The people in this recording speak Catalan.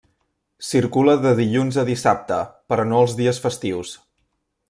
Circula de dilluns a dissabte, però no els dies festius.